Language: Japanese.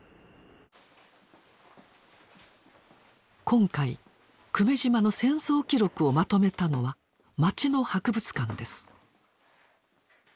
今回久米島の戦争記録をまとめたのは町の博物館です。